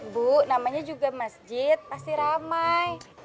bu namanya juga masjid pasti ramai